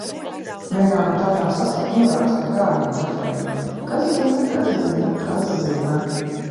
Vienā no tādām sastapu norādes par dārgumu meklējumiem. Kas zina. Kas zina. Kas zina.